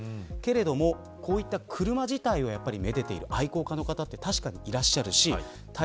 けれども、こういった車自体を愛でている愛好家の方は確かにいらっしゃいます。